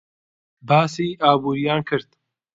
باسی ئابووریان کرد.